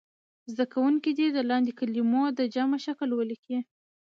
زده کوونکي دې د لاندې کلمو د جمع شکل ولیکي.